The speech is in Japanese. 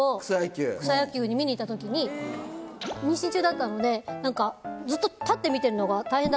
草野球見に行った時に妊娠中だったのでずっと立って見てるのが大変だったの。